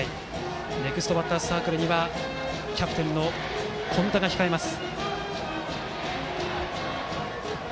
ネクストバッターズサークルにはキャプテンの今田が控えます。